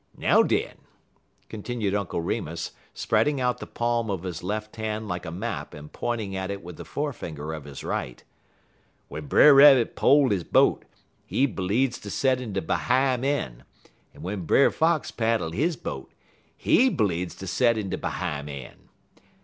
Now, den," continued Uncle Remus, spreading out the palm of his left hand like a map and pointing at it with the forefinger of his right, "w'en Brer Rabbit pole he boat, he bleedz ter set in de behime een', en w'en Brer Fox paddle he boat, he bleedz ter set in de behime een'.